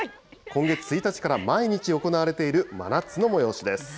今月１日から毎日行われている真夏の催しです。